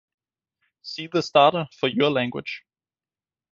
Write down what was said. See the starter for your language